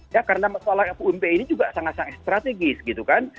ya karena masalah rump ini juga sangat sangat strategis gitu kan